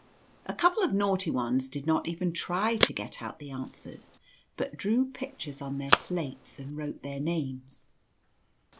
A couple of naughty ones did not even try to get out the answers, but drew pictures on their slates and wrote their names.